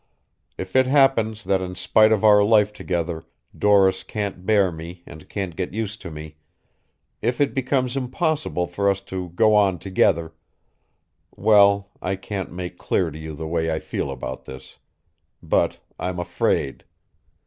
If it happens that in spite of our life together Doris can't bear me and can't get used to me, if it becomes impossible for us to go on together well, I can't make clear to you the way I feel about this. But I'm afraid.